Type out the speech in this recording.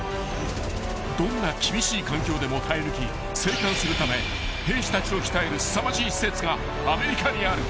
［どんな厳しい環境でも耐え抜き生還するため兵士たちを鍛えるすさまじい施設がアメリカにある］